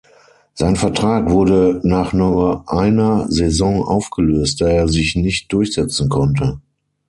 Sein Vertrag wurde nach nur einer Saison aufgelöst, da er sich nicht durchsetzen konnte.